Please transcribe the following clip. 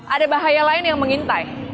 ada bahaya lain yang mengintai